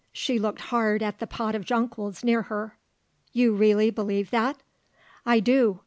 She looked hard at the pot of jonquils near her. "You really believe that?" "I do.